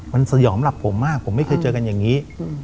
มันสยองหลับผมมากผมไม่เคยเจอกันอย่างนี้